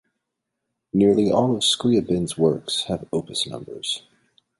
Nearly all of Scriabin's works have opus numbers.